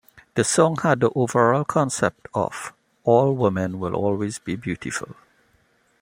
The song had the overall concept of "all women will always be beautiful".